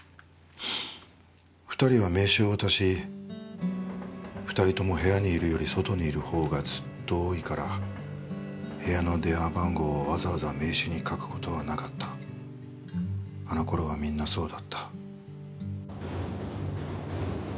二人は名刺を渡し、二人とも部屋にいるより外にいる方がずっと多いから部屋の電話番号をわざわざ名刺に書くことはなかった、あの頃はみんなそうだった」。